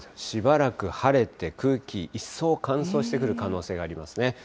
しばらく晴れて空気、一層乾燥してくる可能性がありますね。